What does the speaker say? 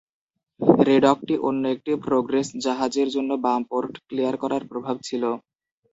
রেডকটি অন্য একটি প্রোগ্রেস জাহাজের জন্য বাম পোর্ট ক্লিয়ার করার প্রভাব ছিল।